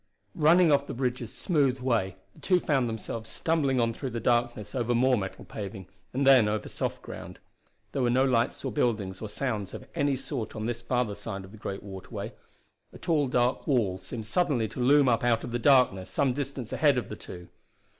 Running off the bridge's smooth way, the two found themselves stumbling on through the darkness over more metal paving, and then over soft ground. There were no lights or buildings or sounds of any sort on this farther side of the great waterway. A tall dark wall seemed suddenly to loom up out of the darkness some distance ahead of the two.